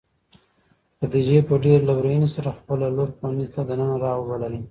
خدیجې په ډېرې لورېنې سره خپله لور خونې ته د ننه راوبلله.